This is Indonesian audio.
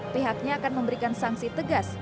pihaknya akan memberikan sanksi tegas